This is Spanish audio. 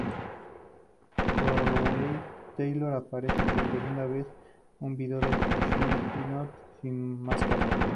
Corey Taylor aparece por segunda vez en un video de Slipknot sin su máscara.